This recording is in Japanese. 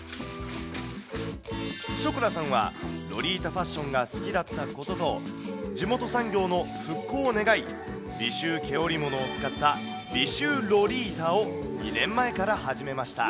ショコラさんは、ロリータファッションが好きだったことと、地元産業の復興を願い、尾州毛織物を使った尾州ロリィタを２年前から始めました。